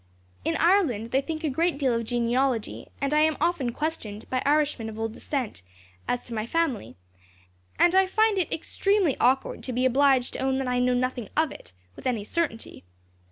"In Ireland they think a great deal of genealogy, and I am often questioned, by Irishmen of old descent, as to my family; and find it extremely awkward to be obliged to own that I know nothing of it, with any certainty.